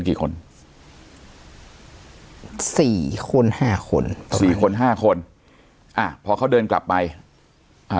กี่คนสี่คนห้าคนสี่คนห้าคนอ่าพอเขาเดินกลับไปอ่า